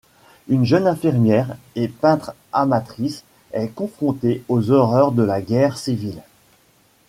Une jeune infirmière et peintre amatrice est confrontée aux horreurs de la guerre civile.